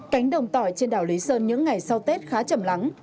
cánh đồng tỏi trên đảo lý sơn những ngày sau tết khá chầm lắng